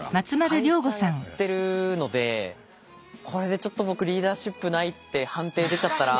会社やってるのでこれでちょっと僕リーダーシップないって判定出ちゃったら。